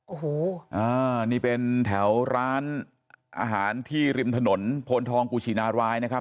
โอ้โหอ่านี่เป็นแถวร้านอาหารที่ริมถนนโพนทองกุชินารายนะครับ